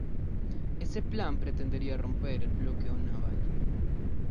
Ese plan pretendía romper el bloqueo naval.